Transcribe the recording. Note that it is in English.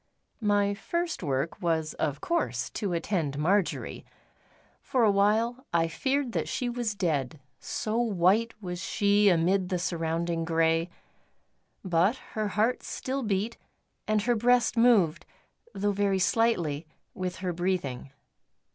My first work was of course to attend Marjory. For a while I feared that she was dead, so white was she amid the surrounding grey. But her heart still beat, and her breast moved, though very slightly, with her breathing.